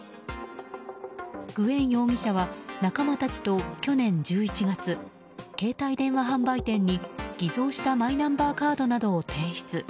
グエン容疑者は仲間たちと去年１１月携帯電話販売店に偽装したマイナンバーカードなどを提出。